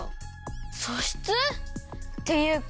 そしつ？っていうか